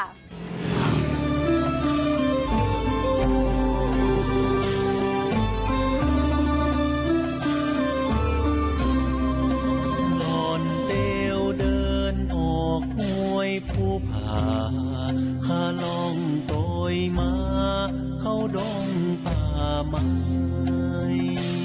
เดี๋ยวเดินออกมวยผู้ผ่าข้าลองโตยมาเข้าด้องป่าไม้